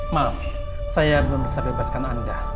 maaf saya belum bisa bebaskan anda